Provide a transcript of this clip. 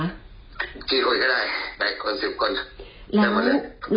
กี่คนก็ได้แต่กว่า๑๐คน